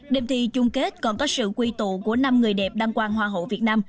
đêm thi chung kết còn có sự quy tụ của năm người đẹp đăng quan hoa hậu việt nam